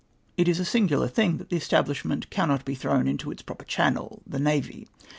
" It is a singular thing that this establishment cannot be thrown into its j^roper channel — the navy.